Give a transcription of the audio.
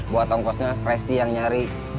buat ongkosnya presti yang nyari